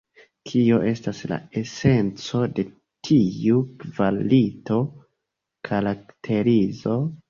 Kio estas la esenco de tiu kvalito-karakterizo?